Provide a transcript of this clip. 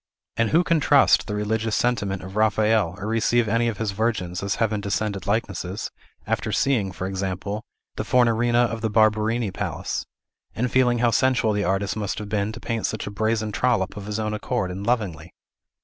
And who can trust the religious sentiment of Raphael, or receive any of his Virgins as heaven descended likenesses, after seeing, for example, the Fornarina of the Barberini Palace, and feeling how sensual the artist must have been to paint such a brazen trollop of his own accord, and lovingly?